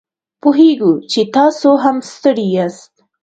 پوهیږو چې تاسو هم ستړي یاست